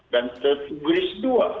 dan tertulis dua